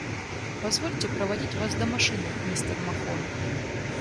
Позвольте проводить вас до машины, мистер Махон.